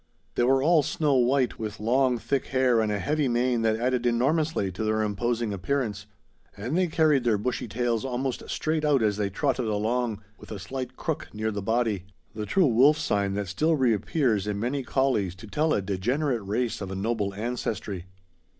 They were all snow white, with long thick hair and a heavy mane that added enormously to their imposing appearance; and they carried their bushy tails almost straight out as they trotted along, with a slight crook near the body, the true wolf sign that still reappears in many collies to tell a degenerate race of a noble ancestry.